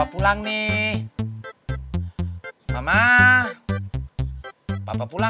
aduh mana ya